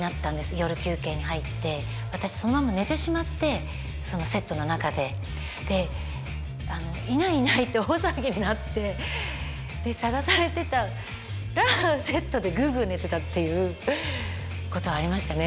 夜休憩に入って私そのまま寝てしまってそのセットの中ででいないいないって大騒ぎになって捜されてたらセットでぐうぐう寝てたっていうことはありましたね